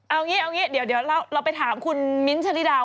เอางี้เดี๋ยวเราไปถามคุณมิ้นท์ชะลิดา